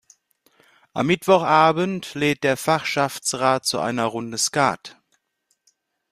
Am Mittwochabend lädt der Fachschaftsrat zu einer Runde Skat.